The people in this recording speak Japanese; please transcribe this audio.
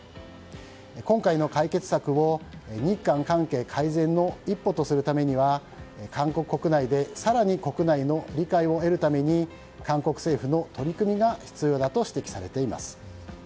今回の解決策を日韓関係改善の一歩とするためには韓国国内で更に理解を得るために韓国政府の取り組みが必要だと指摘されています。